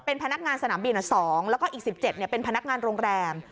เป็นพนักงานสนามบิน๒แล้วก็อีก๑๗เป็นพนักงานโรงแรม